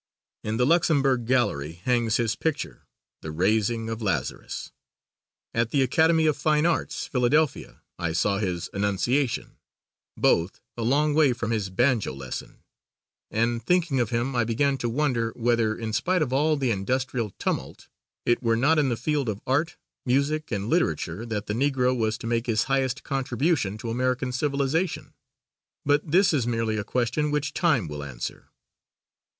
In the Luxembourg gallery hangs his picture, "The Raising of Lazarus." At the Academy of Fine Arts, Philadelphia, I saw his "Annunciation," both a long way from his "Banjo Lesson," and thinking of him I began to wonder whether, in spite of all the industrial tumult, it were not in the field of art, music and literature that the Negro was to make his highest contribution to American civilization. But this is merely a question which time will answer.